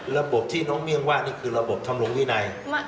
ระบบที่น้องเมี่ยงว่านี่คือระบบทำลงวินัย